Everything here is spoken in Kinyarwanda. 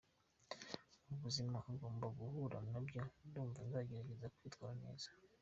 mu buzima ugomba guhura nabyo , ndumva nzagerageza kwitwara neza”.